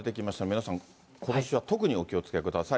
皆さん、ことしは特にお気をつけください。